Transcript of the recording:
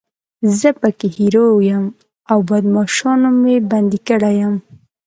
زه پکې هیرو یم او بدماشانو مې بندي کړی یم.